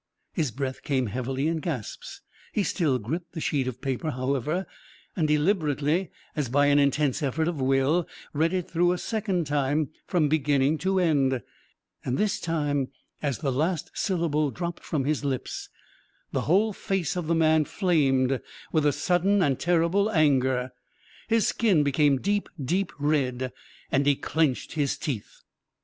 His breath came heavily in gasps. He still gripped the sheet of paper, however, and deliberately, as by an intense effort of will, read it through a second time from beginning to end. And this time, as the last syllable dropped from his lips, the whole face of the man flamed with a sudden and terrible anger. His skin became deep, deep red, and he clenched his teeth.